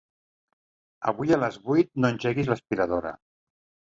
Avui a les vuit no engeguis l'aspiradora.